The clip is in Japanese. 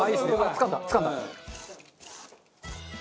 つかんだつかんだ。